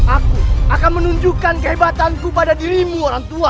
aku akan menunjukkan kehebatanku pada dirimu orangtua